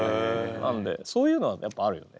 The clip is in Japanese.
なのでそういうのはやっぱあるよね。